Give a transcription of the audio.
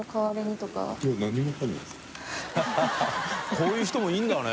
こういう人もいるんだね。